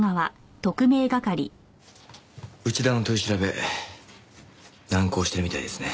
内田の取り調べ難航しているみたいですね。